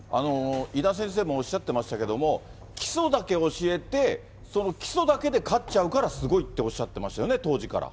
伊田先生もおっしゃってましたけれども、基礎だけ教えて、その基礎だけで勝っちゃうから、すごいっておっしゃってましたよ